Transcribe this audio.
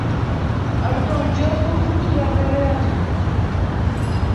ამიტომ, ჯერ თუ ხუთია, მერე — ათი.